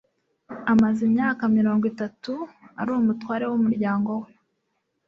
Amaze imyaka mirongo itatu ari umutware wumuryango we.